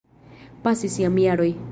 Pasis jam jaroj.